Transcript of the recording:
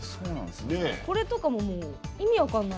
これとかも、意味分からない。